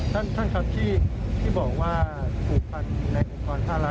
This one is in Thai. บ้าทับที่ที่บอกว่าอุปัญญา